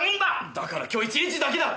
だから今日一日だけだって！